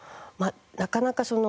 なかなか。